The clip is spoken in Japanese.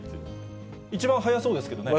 一番早そうですけどね。